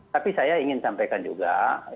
tapi saya ingin sampaikan juga